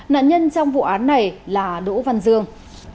nạn nhân trong vụ án này là đỗ văn dương